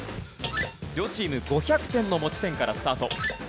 両チーム５００点の持ち点からスタート。